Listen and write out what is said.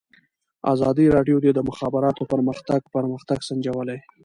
ازادي راډیو د د مخابراتو پرمختګ پرمختګ سنجولی.